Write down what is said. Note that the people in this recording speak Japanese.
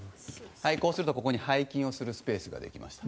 こうするとここに背筋をするスペースができました。